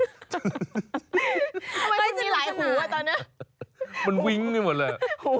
ทำไมฉันมีหลายหูตอนนี้มันวิ้งไปหมดเลย